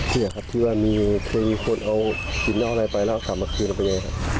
เชื่อครับที่ว่ามีเคยมีคนเอาหินอะไรไปแล้วกลับมาคืนไปไงครับ